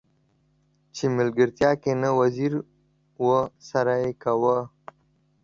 چې ملګرتيا کې نه وزيرو سره يې کاوه.